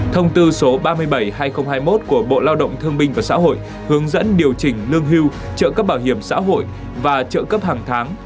thông tư số ba mươi bảy hai nghìn hai mươi một của bộ lao động thương binh và xã hội hướng dẫn điều chỉnh lương hưu trợ cấp bảo hiểm xã hội và trợ cấp hàng tháng